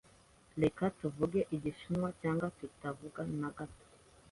Reka tuvuge Igishinwa, cyangwa tutavuga na gato.